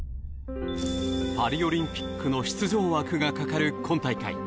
パリオリンピックの出場枠がかかる今大会。